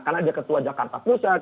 karena dia ketua jakarta pusat